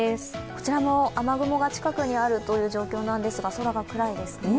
こちらも雨雲が近くにある状況ですが空が暗いですね。